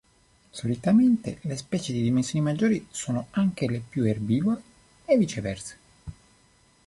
Solitamente, le specie di dimensioni maggiori sono anche le più erbivore e viceversa.